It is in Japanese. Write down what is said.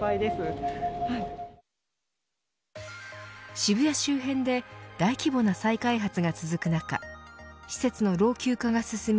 渋谷周辺で大規模な再開発が続く中施設の老朽化が進み